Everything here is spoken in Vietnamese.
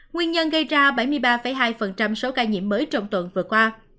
nguyên nhân gây ra bảy mươi ba hai số ca nhiễm mới trong tuần vừa qua